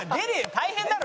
大変だろ！